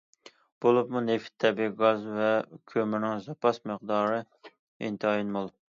بولۇپمۇ، نېفىت، تەبىئىي گاز ۋە كۆمۈرنىڭ زاپاس مىقدارى ئىنتايىن مول.